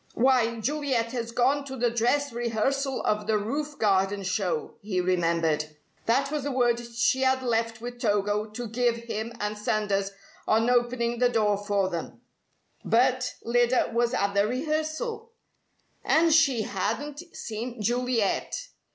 "Why, Juliet has gone to the dress rehearsal of the roof garden show," he remembered. That was the word she had left with Togo to give him and Sanders on opening the door for them. But Lyda was at the rehearsal! And she hadn't seen Juliet.